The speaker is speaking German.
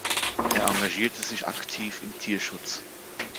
Er engagierte sich aktiv im Tierschutz.